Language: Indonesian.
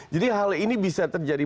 jadi hal ini bisa terjadi